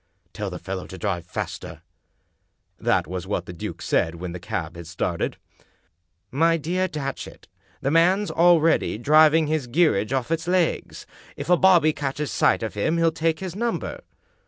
"Tell the fellow to drive faster." That was what the duke said when the cab had started. " My dear Datchet, the man's already driving his geer age off its legs. If a bobby catches sight of him he'll take his number."